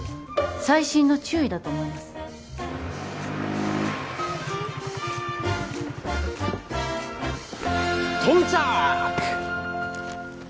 「細心の注意」だと思います到着！